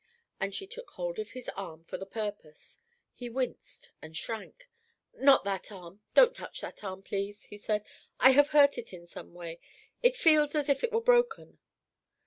And she took hold of his arm for the purpose. He winced and shrank. "Not that arm don't touch that arm, please," he said. "I have hurt it in some way. It feels as if it were broken."